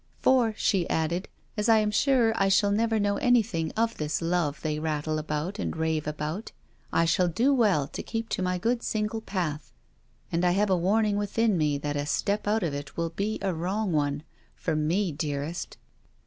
'For,' she added, 'as I am sure I shall never know anything of this love they rattle about and rave about, I shall do well to keep to my good single path; and I have a warning within me that a step out of it will be a wrong one for me, dearest!'